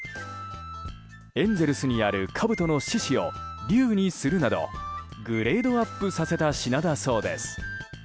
エンゼルスにあるかぶとの獅子を龍にするなどグレードアップさせた品だそうです。